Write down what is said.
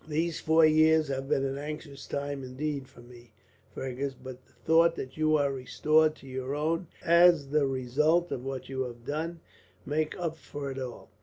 These four years have been an anxious time, indeed, for me, Fergus; but the thought that you are restored to your own, as the result of what you have done, makes up for it all.